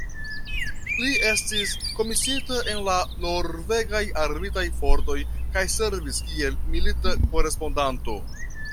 Li estis komisiita en la norvegaj Armitaj Fortoj kaj servis kiel milita korespondanto.